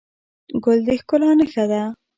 ګل د ښکلا نښه ده.